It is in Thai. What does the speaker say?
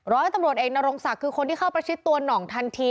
ร้อยตำรวจเอกนรงศักดิ์คือคนที่เข้าประชิดตัวหน่องทันที